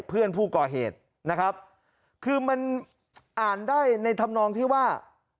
เพื่อนผู้ก่อเหตุนะครับคือมันอ่านได้ในธรรมนองที่ว่า